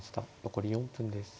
残り４分です。